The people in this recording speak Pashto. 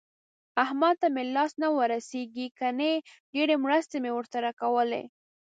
احمد ته مې لاس نه ورسېږي ګني ډېرې مرستې مې ورسره کولې.